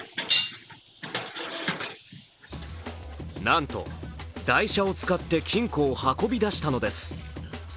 なんと台車を使って金庫を運び出したのです。